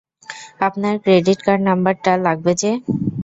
আপনার ক্রেডিটকার্ড নাম্বারটা লাগবে যে!